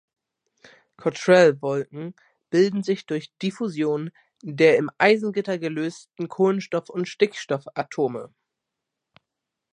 Cottrell-Wolken bilden sich durch Diffusion der im Eisengitter gelösten Kohlenstoff und Stickstoffatome.